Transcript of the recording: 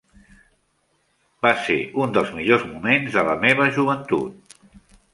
Va ser un dels millors moments de la meva joventut.